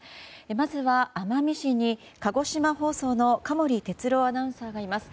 まずは奄美市に鹿児島放送の加守哲朗アナウンサーがいます。